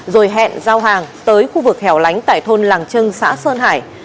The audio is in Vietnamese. rồi hẹn giao hàng tới khu vực hẻo lánh tại thôn làng trưng xã sơn hải